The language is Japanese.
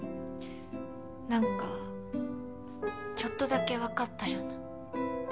何かちょっとだけわかったような。